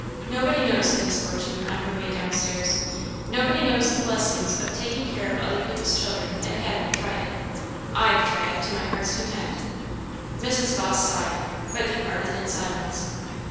Nobody knows," said Miss Fortune, on her way down stairs "nobody knows the blessings of taking care of other people's children that han't tried it. I've tried it, to my heart's content." Mrs. Vawse sighed, but departed in silence.